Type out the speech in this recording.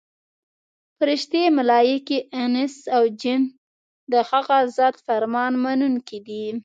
فرښتې، ملایکې، انس او جن د هغه ذات فرمان منونکي دي.